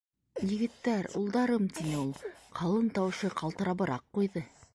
- Егеттәр, улдарым! - тине ул. Ҡалын тауышы ҡалтырабыраҡ ҡуйҙы.